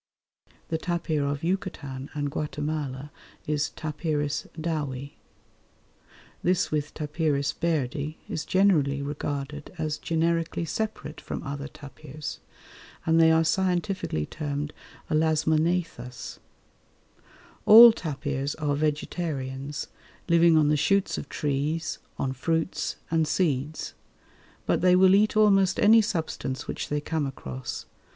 The tapir of Yucatan and Guatemala is T. Dowi. This with T. Bairdi is generally regarded as generically separate from other tapirs, and they are scientifically termed Elasmognathus. All tapirs are vegetarians, living on the shoots of trees, on fruits and seeds; but they will eat almost any substance which they come across.